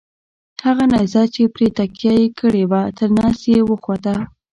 هغه نیزه چې پرې تکیه یې کړې وه تر نس یې وخوته.